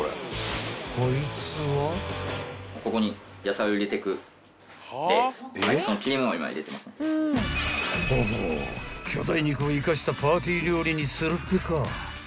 ［ほほう巨大肉を生かしたパーティー料理にするってか］